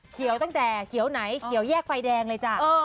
เขียวตั้งแต่เขียวไหนเขียวแยกไฟแดงเลยจ้ะ